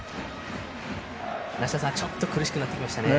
ちょっと苦しくなってきましたね。